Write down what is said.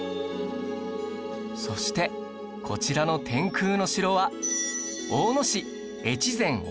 そしてこちらの天空の城は